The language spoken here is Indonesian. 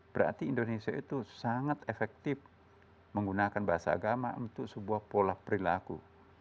berarti indonesia itu sangat efektif menggunakan bahasa agama untuk sebuah pola perilaku